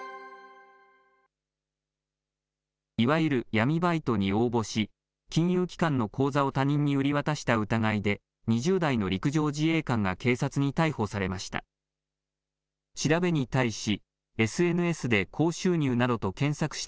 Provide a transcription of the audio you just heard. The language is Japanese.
いわゆる闇バイトに応募し、金融機関の口座を他人に売り渡した疑いで、２０代の陸上自衛官が警察に逮捕されました。